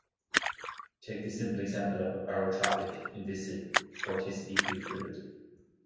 Take the simple example of a barotropic, inviscid vorticity-free fluid.